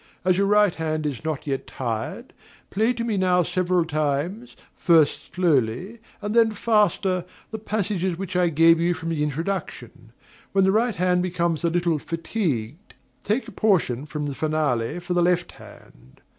As your right hand is not yet tired, play to me now several times, first slowly and then faster, the passages which I gave you from the introduction. When the right hand becomes a little fatigued, take a portion from the finale for the left hand.